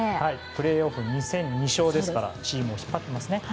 プレーオフ２戦２勝ですからチームを引っ張ってますね。